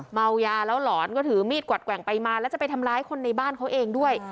เมายาแล้วหลอนก็ถือมีดกวัดแกว่งไปมาแล้วจะไปทำร้ายคนในบ้านเขาเองด้วย